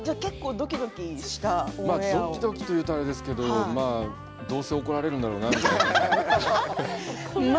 ドキドキというとあれですけど、まあ、どうせ怒られるんだろうなみたいな。